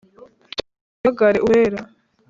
Tuyahamagare Uwera